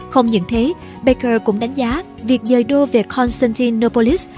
không những thế baker cũng đánh giá việc dời đô về constantinopolis